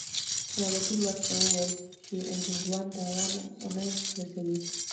وکیل وویل چې هندوان تاوان ونه رسوي.